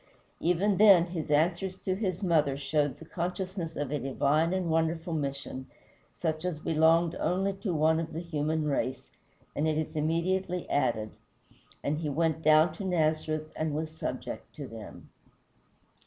Even then, his answers to his mother showed the consciousness of a divine and wonderful mission such as belonged only to one of the human race, and it is immediately added, "And he went down to Nazareth and was subject to them."